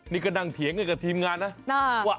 นี่ก็ดังเถียงกับทีมงานนะ